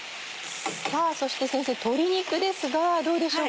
さぁそして先生鶏肉ですがどうでしょうか？